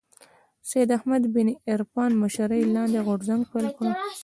سید احمد بن عرفان مشرۍ لاندې غورځنګ پيل کړ